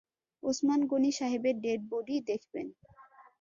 ওসমান গনি সাহেবের dead body দেখবেন।